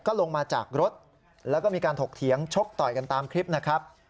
ลงมาจากรถแล้วก็มีการถกเถียงชกต่อยกันตามคลิปนะครับ